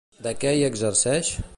De què hi exerceix?